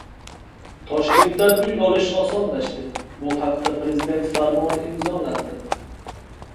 Toshkentdan uy olish osonlashdi. Bu haqda Prezident farmoni imzolandi